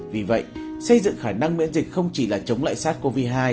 vì vậy xây dựng khả năng miễn dịch không chỉ là chống lại sars cov hai